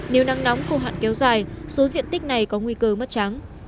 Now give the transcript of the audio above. nếu nắng nóng khô hạn kéo dài số diện tích này có nguy cơ mất trắng